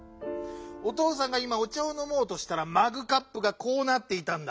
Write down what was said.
お父さんがいまおちゃをのもうとしたらマグカップがこうなっていたんだ。